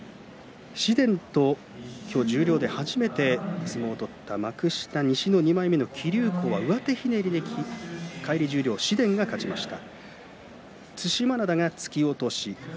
今日、十両で初めて相撲を取った幕下西の２枚目の木竜皇は上手ひねり返り十両の紫雷が勝ちました。